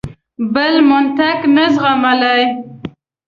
بل منطق نه زغملای.